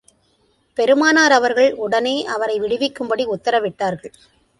பெருமானார் அவர்கள், உடனே அவரை விடுவிக்கும்படி உத்தரவிட்டார்கள்.